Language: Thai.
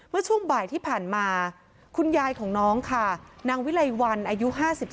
เมื่อช่วงบ่ายที่ผ่านมาคุณยายของน้องค่ะนางวิไลวันอายุ๕๒